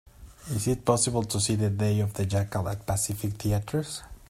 Is it possible to see The Day of the Jackal at Pacific Theatres